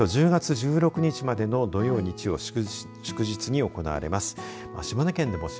このイベント、１０月１６日までの土曜、日曜、祝日に行われます。